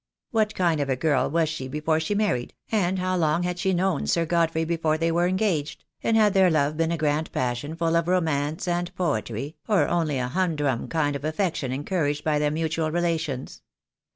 What kind of a girl was she before she married, and how long had she known Sir Godfrey before they were engaged, and had their love been a grand passion full of romance and poetry, or only a humdrum kind of affection encouraged by their mutual relations?